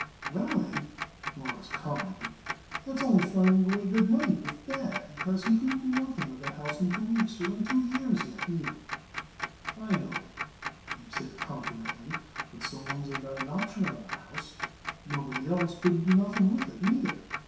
"Well, Abe," Morris commented, "that's only throwing away good money with bad, because you couldn't do nothing with that house in two weeks or in two years, neither." "I know it," Abe said confidently, "but so long as I got an option on that house nobody else couldn't do nothing with it, neither.